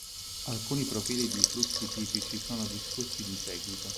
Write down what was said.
Alcuni profili di flussi tipici sono discussi di seguito.